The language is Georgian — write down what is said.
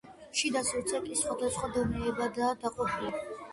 შიდა სივრცე კი სხვადასხვა დონეებადაა დაყოფილი.